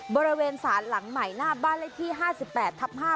บริเวณสารหลังใหม่หน้าบ้านละทีห้าสิบแปดทับห้า